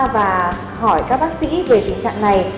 và hỏi các bác sĩ về tình trạng này